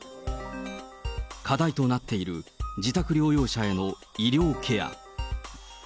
課題となっている自宅療養者への医療ケア。